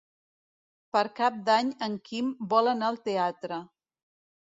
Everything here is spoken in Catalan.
Per Cap d'Any en Quim vol anar al teatre.